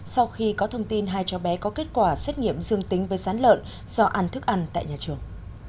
sau khi có thông tin hai cháu bé có kết quả xét nghiệm dương tính với sán lợn do ăn thức ăn tại nhà trường